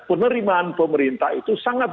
penerimaan pemerintah itu sangat